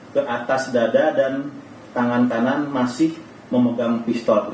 ke atas dada dan tangan kanan masih memegang pistol